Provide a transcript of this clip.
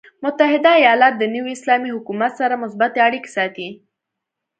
متحده ایالات د نوي اسلامي حکومت سره مثبتې اړیکې ساتي.